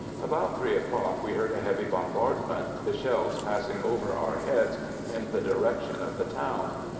About three o'clock, we heard a heavy bombardment, the shells passing over our heads in the direction of the town.